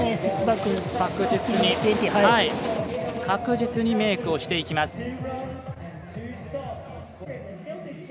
確実にメイクをしていきます。